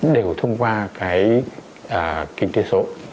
đều thông qua cái kinh tế số